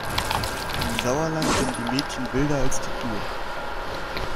Im Sauerland sind die Mädchen wilder als die Kühe.